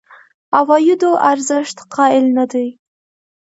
عوایدو ارزښت قایل نه دي.